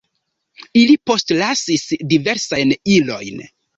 Ili postlasis diversajn ilojn.